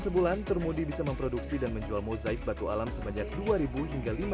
sebulan termudi bisa memproduksi dan menjual mozaik batu alam sepanjang